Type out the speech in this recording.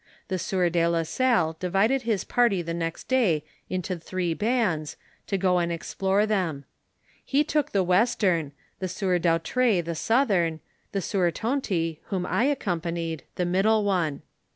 The sieur de la Salle divided his party the next day into three bands, to go and explore them. He took the western, the sieur Dautray the southern, the sieur Tonty, whom I accompanied, the middle one.